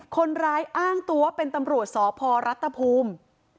คนร้ายอ้างตัวเป็นตำรวจสพรัฐภูมิ